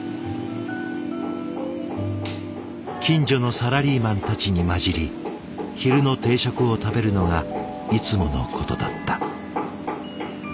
近所のサラリーマンたちに交じり昼の定食を食べるのがいつものことだった。